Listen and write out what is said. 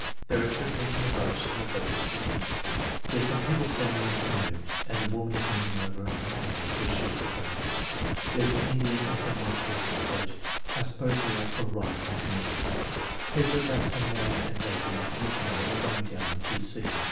There are two people in the boat and the boat is sinking." "There's some people sailing in a canoe and the woman is leaning over on the man because she is afraid." "There's an Indian and some white people in the boat. I sup pose they are out for a ride in a canoe." "Picture about some man and lady in a canoe and going down to the sea."